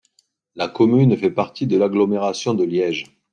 La commune fait partie de l'agglomération de Liège.